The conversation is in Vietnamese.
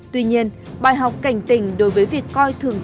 tuy nhiên bài học cảnh tình đối với việc coi thường tính đường sắt